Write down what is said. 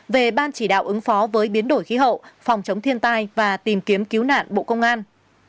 về ban chỉ đạo ứng phó với biến đổi khí hậu phòng chống thiên tai và tìm kiếm cứu nạn bộ công an